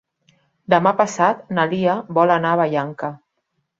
Demà passat na Lia vol anar a Vallanca.